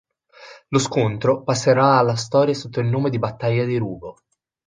Lo scontro passerà alla storia sotto il nome di battaglia di Ruvo.